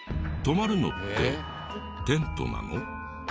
泊まるのってテントなの？